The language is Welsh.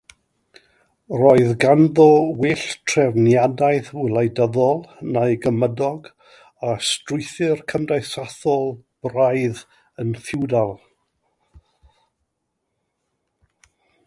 Roedd ganddo well trefniadaeth wleidyddol na'i gymydog a strwythur cymdeithasol braidd yn ‘ffiwdal'.